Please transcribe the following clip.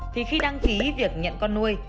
thì khi đăng ký việc nhận con nuôi